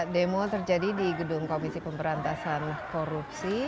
demo terjadi di gedung komisi pemberantasan korupsi